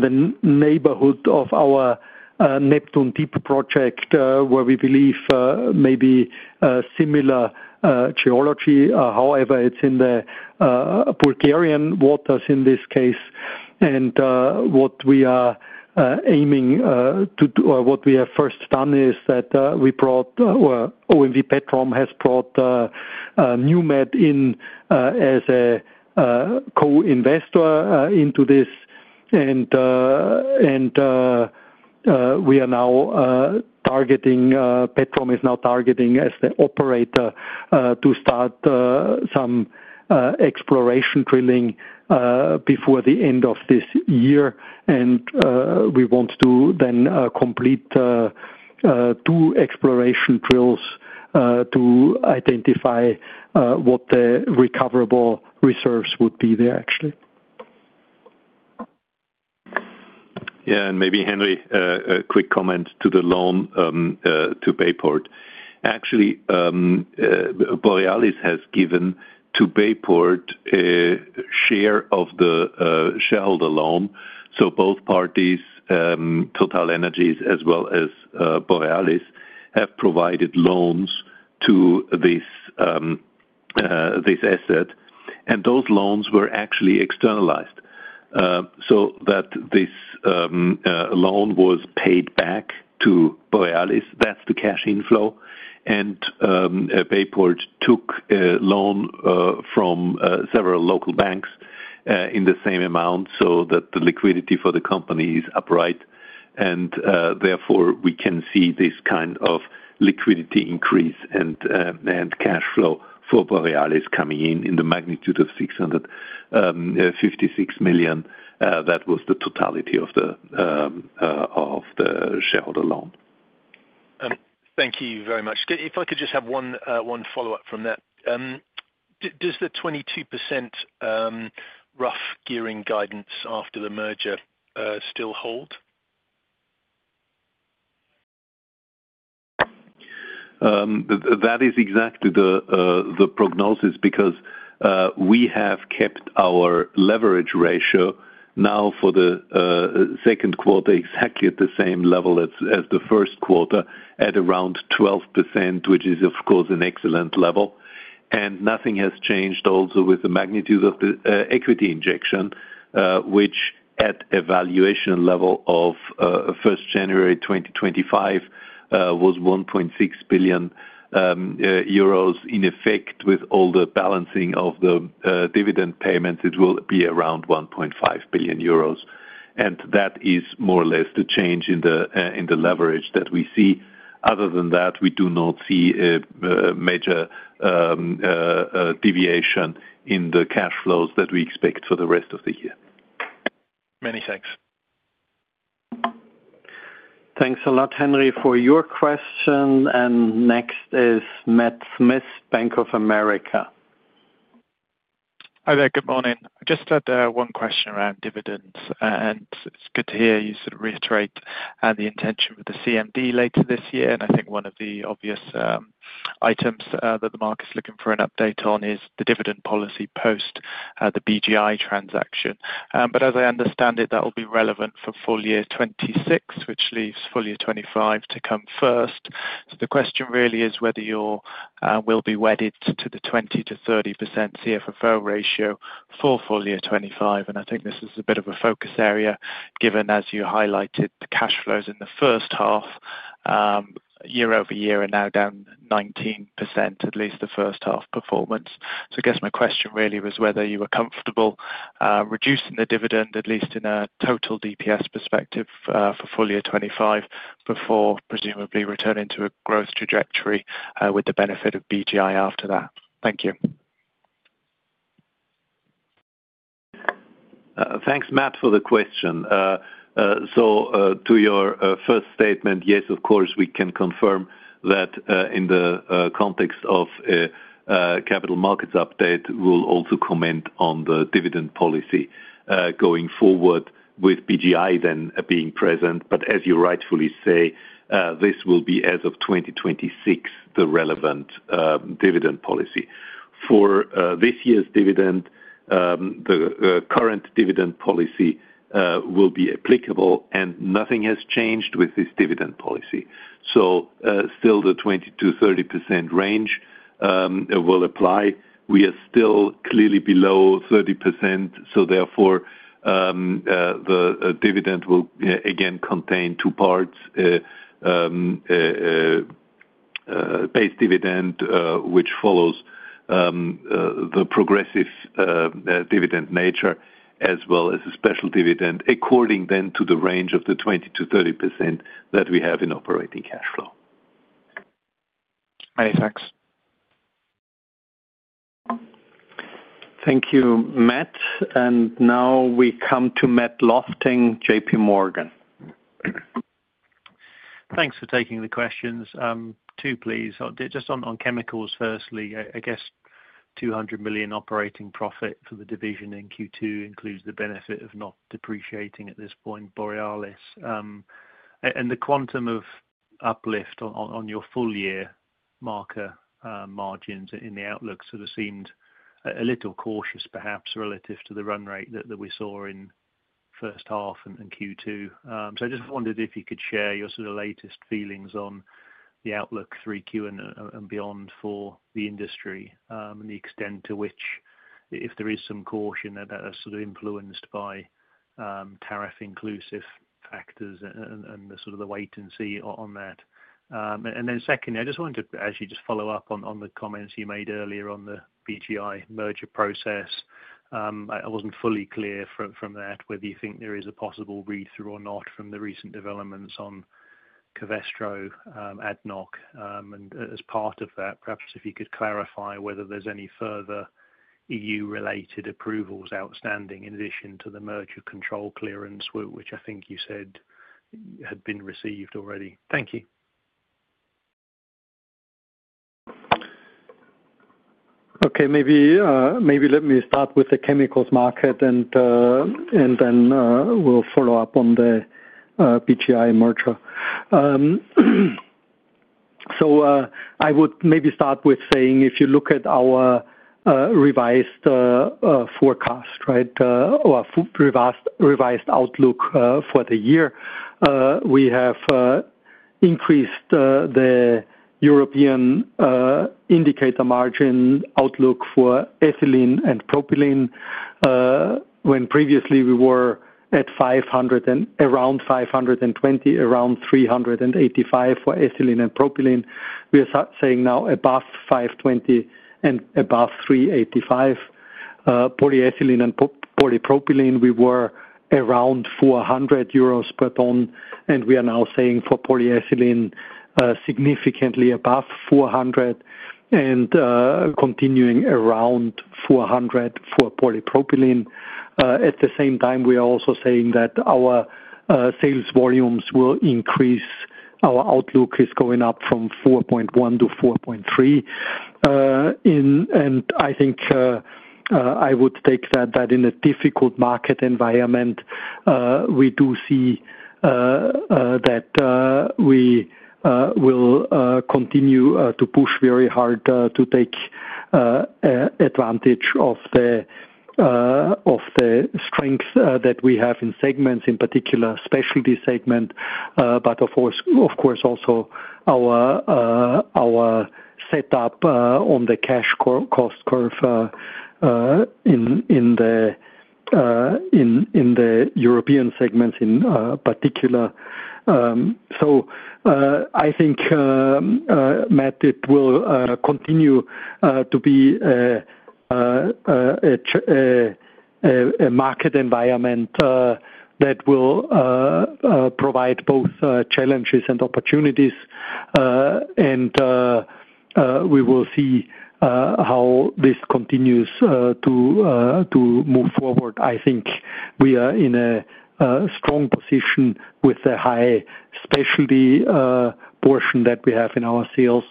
the neighborhood of our Neptun Deep project, where we believe maybe similar geology, however, it's in the Bulgarian waters in this case. What we are aiming to do, or what we have first done, is that we brought, or OMV Petrom has brought, NewMed in as a co-investor into this. We are now targeting, Petrom is now targeting as the operator to start some exploration drilling before the end of this year. We want to then complete two exploration drills to identify what the recoverable reserves would be there, actually. Maybe, Henry, a quick comment to the loan to Bayport. Actually, Borealis has given to Bayport a share of the shareholder loan. Both parties, TotalEnergies as well as Borealis, have provided loans to this asset. Those loans were actually externalized so that this loan was paid back to Borealis. That's the cash inflow. Bayport took a loan from several local banks in the same amount so that the liquidity for the company is upright. Therefore, we can see this kind of liquidity increase and cash flow for Borealis coming in in the magnitude of $656 million. That was the totality of the shareholder loan. Thank you very much. If I could just have one follow-up from that. Does the 22% rough gearing guidance after the merger still hold? That is exactly the prognosis because we have kept our leverage ratio now for the second quarter exactly at the same level as the first quarter at around 12%, which is, of course, an excellent level. Nothing has changed also with the magnitude of the equity injection, which at evaluation level of 1 January 2025 was 1.6 billion euros. In effect, with all the balancing of the dividend payments, it will be around 1.5 billion euros. That is more or less the change in the leverage that we see. Other than that, we do not see a major deviation in the cash flows that we expect for the rest of the year. Many thanks. Thanks a lot, Henry, for your question. Next is Matt Smith, Bank of America. Hi there. Good morning. Just had one question around dividends. It's good to hear you sort of reiterate the intention with the CMD later this year. I think one of the obvious items that the market's looking for an update on is the dividend policy post the BGI transaction. As I understand it, that will be relevant for full year 2026, which leaves full year 2025 to come first. The question really is whether you'll be wedded to the 20%-30% CFFO ratio for full year 2025. I think this is a bit of a focus area given, as you highlighted, the cash flows in the first half. Year over year and now down 19%, at least the first half performance. I guess my question really was whether you were comfortable reducing the dividend, at least in a total DPS perspective, for full year 2025 before presumably returning to a growth trajectory with the benefit of BGI after that. Thank you. Thanks, Matt, for the question. To your first statement, yes, of course, we can confirm that in the context of capital markets update, we'll also comment on the dividend policy going forward with BGI then being present. As you rightfully say, this will be, as of 2026, the relevant dividend policy. For this year's dividend, the current dividend policy will be applicable, and nothing has changed with this dividend policy. Still, the 20%-30% range will apply. We are still clearly below 30%. Therefore, the dividend will again contain two parts: base dividend, which follows the progressive dividend nature, as well as a special dividend according then to the range of the 20%-30% that we have in operating cash flow. Many thanks. Thank you, Matt. Now we come to Matt Lofting, JPMorgan. Thanks for taking the questions. Two, please. Just on chemicals firstly, I guess 200 million operating profit for the division in Q2 includes the benefit of not depreciating at this point, Borealis. The quantum of uplift on your full year marker margins in the outlook sort of seemed a little cautious, perhaps, relative to the run rate that we saw in first half and Q2. I just wondered if you could share your sort of latest feelings on the outlook 3Q and beyond for the industry and the extent to which, if there is some caution, that that has sort of influenced by tariff-inclusive factors and the wait and see on that. Secondly, I just wanted to follow up on the comments you made earlier on the BGI merger process. I wasn't fully clear from that whether you think there is a possible read-through or not from the recent developments on Covestro ADNOC. As part of that, perhaps if you could clarify whether there's any further EU-related approvals outstanding in addition to the merger control clearance, which I think you said had been received already. Thank you. Okay. Maybe let me start with the chemicals market, and then we'll follow up on the BGI merger. I would maybe start with saying, if you look at our revised forecast, or revised outlook for the year, we have increased the European indicator margin outlook for ethylene and propylene. When previously we were at around 520, around 385 for ethylene and propylene, we are saying now above 520 and above 385. Polyethylene and polypropylene, we were around 400 euros per ton, and we are now saying for polyethylene, significantly above 400 and continuing around 400 for polypropylene. At the same time, we are also saying that our sales volumes will increase. Our outlook is going up from 4.1 to 4.3. I think I would take that in a difficult market environment. We do see that we will continue to push very hard to take advantage of the strength that we have in segments, in particular specialty segment, but, of course, also our setup on the cash cost curve in the European segments in particular. I think, Matt, it will continue to be a market environment that will provide both challenges and opportunities. We will see how this continues to move forward. I think we are in a strong position with the high specialty portion that we have in our sales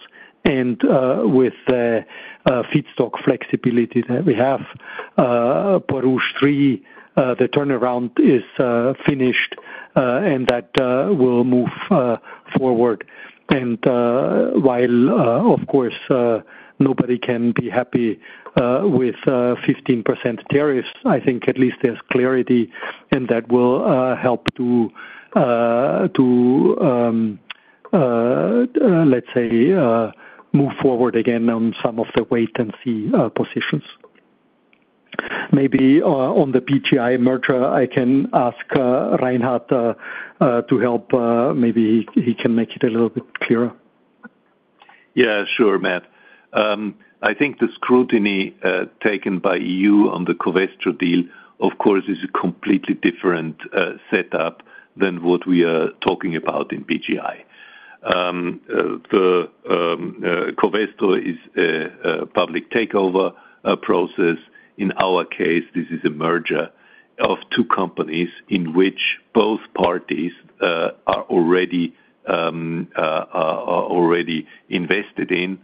and with the feedstock flexibility that we have. Borouge 3, the turnaround is finished, and that will move forward. While, of course, nobody can be happy with 15% tariffs, I think at least there's clarity, and that will help to, let's say, move forward again on some of the wait-and-see positions. Maybe on the BGI merger, I can ask Reinhard to help. Maybe he can make it a little bit clearer. Yeah, sure, Matt. I think the scrutiny taken by EU on the Covestro deal, of course, is a completely different setup than what we are talking about in BGI. Covestro is a public takeover process. In our case, this is a merger of two companies in which both parties are already invested in,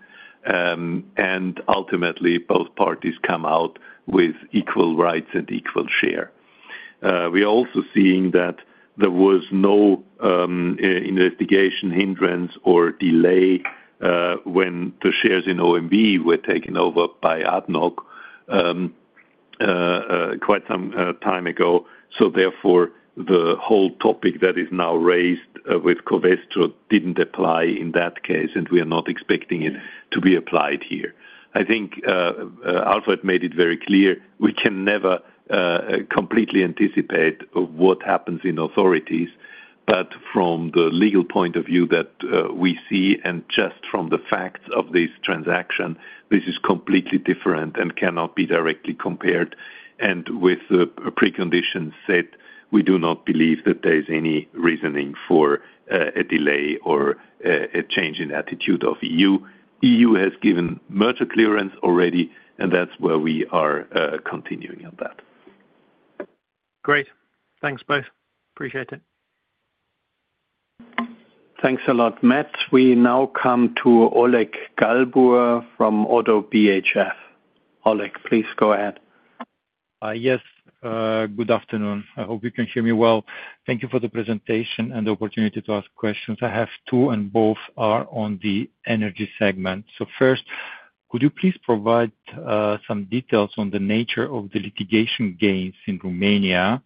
and ultimately, both parties come out with equal rights and equal share. We are also seeing that there was no investigation hindrance or delay when the shares in OMV were taken over by ADNOC quite some time ago. Therefore, the whole topic that is now raised with Covestro didn't apply in that case, and we are not expecting it to be applied here. I think Alfred made it very clear. We can never completely anticipate what happens in authorities. From the legal point of view that we see and just from the facts of this transaction, this is completely different and cannot be directly compared. With the preconditions set, we do not believe that there is any reasoning for a delay or a change in attitude of the EU. The EU has given merger clearance already, and that's where we are continuing on that. Great. Thanks, both. Appreciate it. Thanks a lot, Matt. We now come to Oleg Galbur from ODDO BHF. Oleg, please go ahead. Yes. Good afternoon. I hope you can hear me well. Thank you for the presentation and the opportunity to ask questions. I have two, and both are on the energy segment. First, could you please provide some details on the nature of the litigation gains in Romania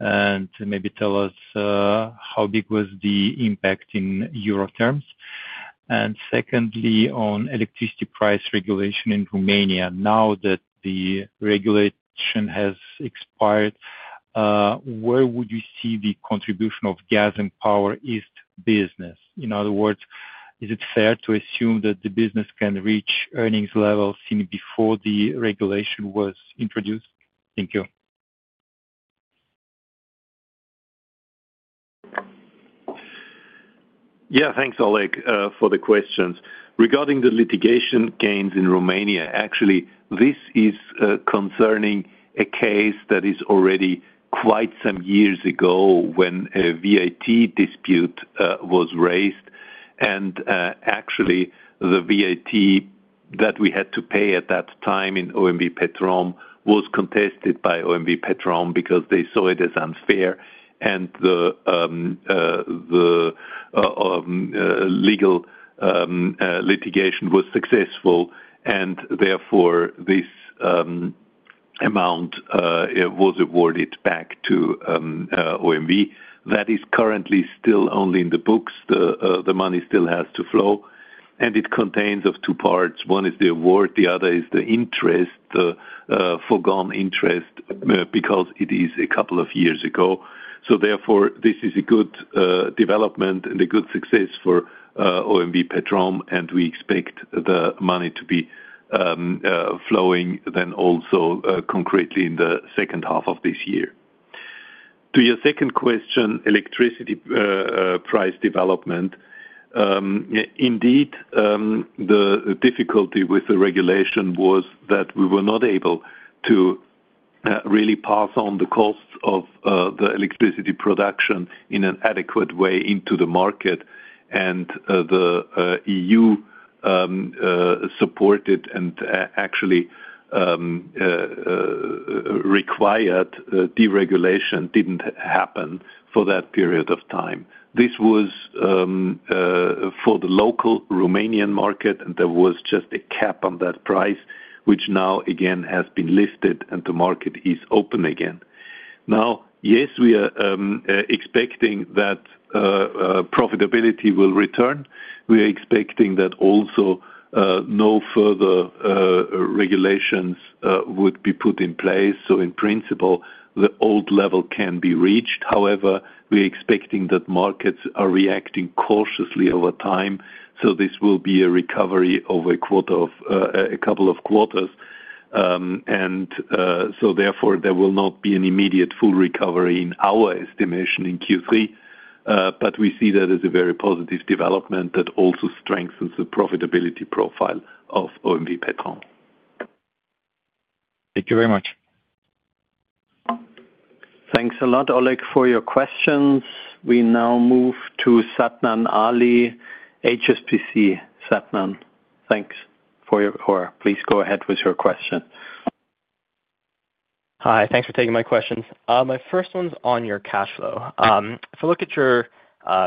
and maybe tell us how big was the impact in euro terms? Secondly, on electricity price regulation in Romania, now that the regulation has expired, where would you see the contribution of gas and power east business? In other words, is it fair to assume that the business can reach earnings levels seen before the regulation was introduced? Thank you. Yeah, thanks, Oleg, for the questions. Regarding the litigation gains in Romania, actually, this is concerning a case that is already quite some years ago when a VAT dispute was raised. The VAT that we had to pay at that time in OMV Petrom was contested by OMV Petrom because they saw it as unfair. The legal litigation was successful. Therefore, this amount was awarded back to OMV. That is currently still only in the books. The money still has to flow. It contains two parts. One is the award. The other is the interest, the foregone interest, because it is a couple of years ago. This is a good development and a good success for OMV Petrom. We expect the money to be flowing then also concretely in the second half of this year. To your second question, electricity price development. Indeed, the difficulty with the regulation was that we were not able to really pass on the costs of the electricity production in an adequate way into the market. The EU supported and actually required deregulation didn't happen for that period of time. This was. For the local Romanian market, and there was just a cap on that price, which now, again, has been lifted, and the market is open again. Now, yes, we are expecting that profitability will return. We are expecting that also. No further regulations would be put in place. In principle, the old level can be reached. However, we are expecting that markets are reacting cautiously over time. This will be a recovery over a couple of quarters. Therefore, there will not be an immediate full recovery in our estimation in Q3. We see that as a very positive development that also strengthens the profitability profile of OMV Petrom. Thank you very much. Thanks a lot, Oleg, for your questions. We now move to Sadnan Ali, HSBC, Sadnan. Thanks for your—or please go ahead with your question. Hi. Thanks for taking my questions. My first one's on your cash flow. If I look at your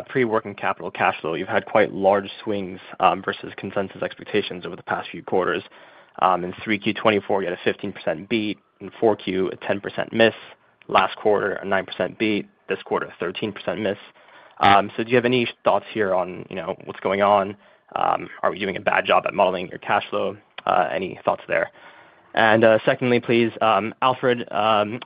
pre-working capital cash flow, you've had quite large swings versus consensus expectations over the past few quarters. In Q3 2024, you had a 15% beat. In Q4, a 10% miss. Last quarter, a 9% beat. This quarter, a 13% miss. Do you have any thoughts here on what's going on? Are we doing a bad job at modeling your cash flow? Any thoughts there? Secondly, please, Alfred,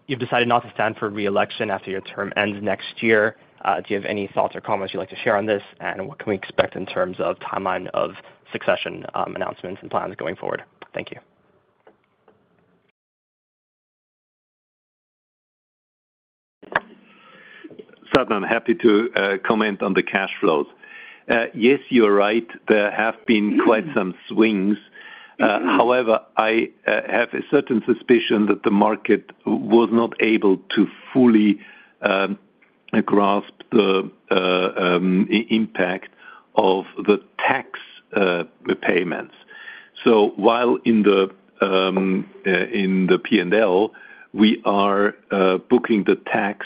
you've decided not to stand for reelection after your term ends next year. Do you have any thoughts or comments you'd like to share on this? What can we expect in terms of timeline of succession announcements and plans going forward? Thank you. Sadnan, happy to comment on the cash flows. Yes, you're right. There have been quite some swings. I have a certain suspicion that the market was not able to fully grasp the impact of the tax payments. While in the P&L, we are booking the tax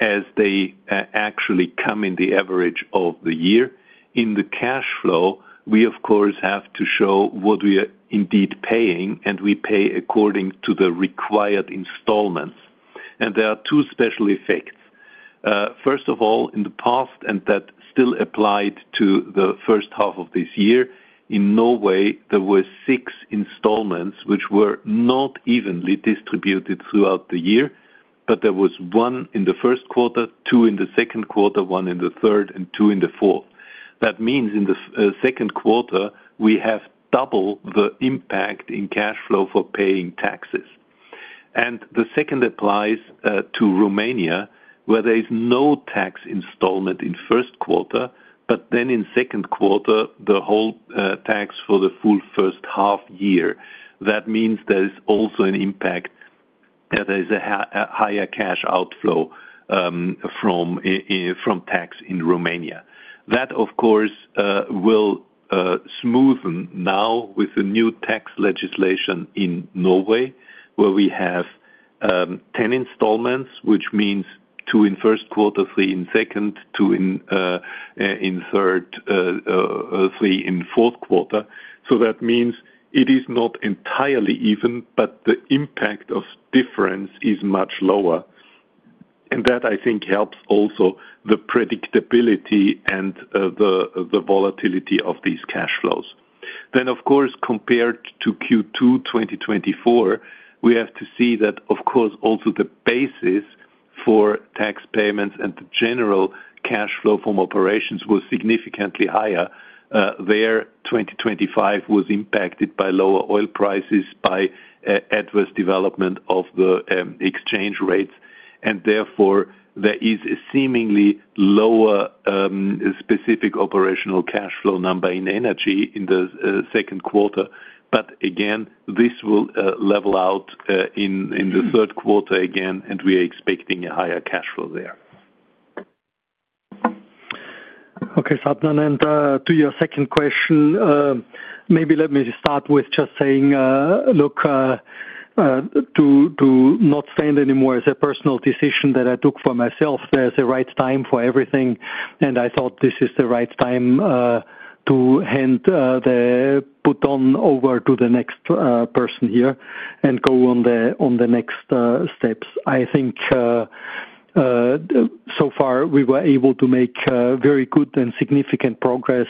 as they actually come in the average of the year, in the cash flow, we, of course, have to show what we are indeed paying, and we pay according to the required installments. There are two special effects. First of all, in the past, and that still applied to the first half of this year, in no way there were six installments which were not evenly distributed throughout the year, but there was one in the first quarter, two in the second quarter, one in the third, and two in the fourth. That means in the second quarter, we have double the impact in cash flow for paying taxes. The second applies to Romania, where there is no tax installment in the first quarter, but then in the second quarter, the whole tax for the full first half year. That means there is also an impact. There is a higher cash outflow from tax in Romania. That, of course, will smoothen now with the new tax legislation in Norway, where we have 10 installments, which means two in the first quarter, three in the second, two in the third, and three in the fourth quarter. It is not entirely even, but the impact of difference is much lower. I think that helps also the predictability and the volatility of these cash flows. Compared to Q2 2024, we have to see that also the basis for tax payments and the general cash flow from operations was significantly higher. In 2025, it was impacted by lower oil prices and by adverse development of the exchange rates. Therefore, there is a seemingly lower specific operational cash flow number in energy in the second quarter. Again, this will level out in the third quarter, and we are expecting a higher cash flow there. Okay, Sadnan, to your second question. Maybe let me start with just saying, look, to not spend anymore is a personal decision that I took for myself. There's a right time for everything, and I thought this is the right time to put on over to the next person here and go on the next steps. I think so far, we were able to make very good and significant progress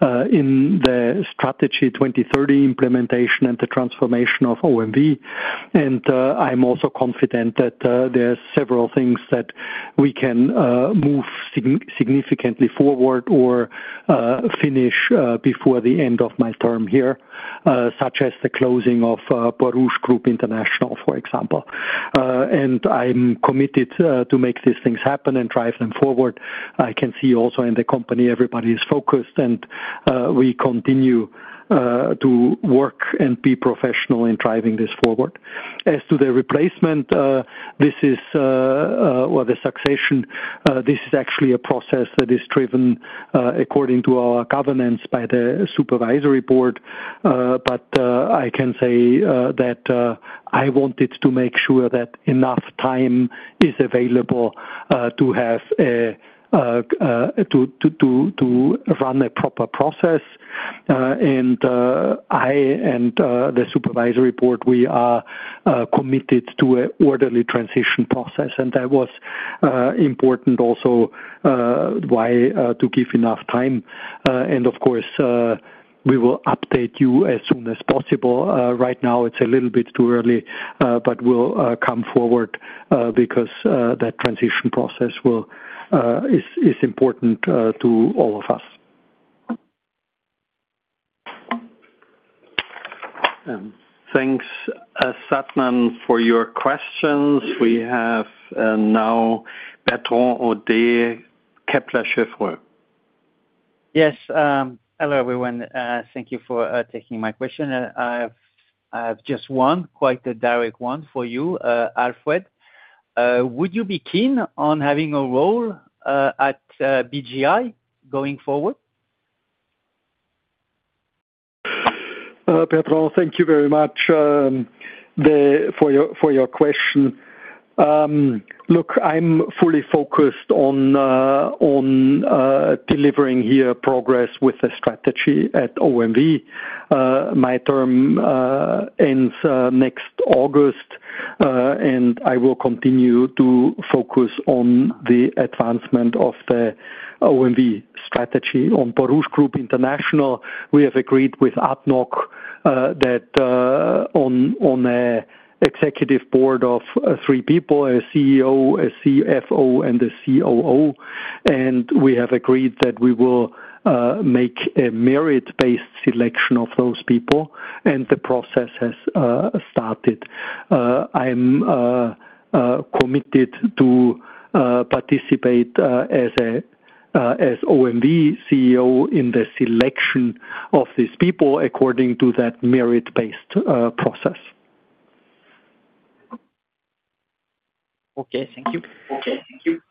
in the Strategy 2030 implementation and the transformation of OMV. I'm also confident that there are several things that we can move significantly forward or finish before the end of my term here, such as the closing of Borouge Group International, for example. I'm committed to make these things happen and drive them forward. I can see also in the company everybody is focused, and we continue to work and be professional in driving this forward. As to the replacement or the succession, this is actually a process that is driven according to our governance by the Supervisory Board. I can say that I wanted to make sure that enough time is available to run a proper process. I and the Supervisory Board, we are committed to an orderly transition process. That was important also, why to give enough time. Of course, we will update you as soon as possible. Right now, it's a little bit too early, but we'll come forward because that transition process. Is important to all of us. Thanks, Sadnan, for your questions. We have now Bertrand Audet, Kepler Cheuvreux. Yes, hello, everyone. Thank you for taking my question. I have just one, quite a direct one for you, Alfred. Would you be keen on having a role at BGI going forward? Bertrand, thank you very much. your question. Look, I'm fully focused on delivering here progress with the strategy at OMV. My term ends next August, and I will continue to focus on the advancement of the OMV strategy on Borouge Group International. We have agreed with ADNOC that on an executive board of three people: a CEO, a CFO, and a COO. We have agreed that we will make a merit-based selection of those people, and the process has started. I'm committed to participate as OMV CEO in the selection of these people according to that merit-based process. Okay, thank you. Okay, thank you.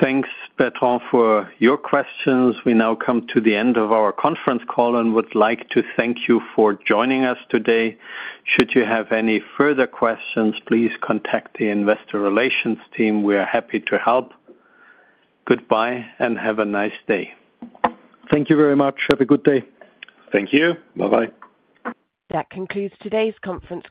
Thanks, Bertrand, for your questions. We now come to the end of our conference call and would like to thank you for joining us today. Should you have any further questions, please contact the Investor Relations team. We are happy to help. Goodbye and have a nice day. Thank you very much. Have a good day. Thank you. Bye-bye. That concludes today's conference.